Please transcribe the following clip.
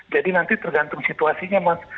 jadi nanti tergantung situasinya mas